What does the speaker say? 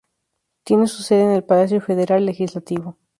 Tiene su sede en el Palacio Federal Legislativo.